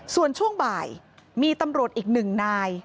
ส่วนช่วงบ่ายมีตำรวจอีกหนึ่งนาย